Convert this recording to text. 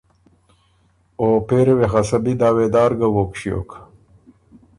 او پېری وې خه سۀ بی دعوېدار ګه ووک ݭیوک